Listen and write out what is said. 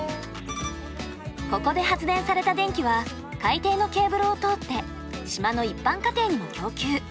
ここで発電された電気は海底のケーブルを通って島の一般家庭にも供給。